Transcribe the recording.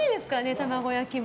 卵焼きも。